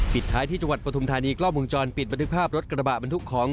ท้ายที่จังหวัดปฐุมธานีกล้องวงจรปิดบันทึกภาพรถกระบะบรรทุกของ